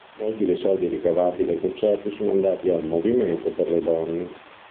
Molti dei soldi ricavati dai concerti sono andati al movimento per le donne.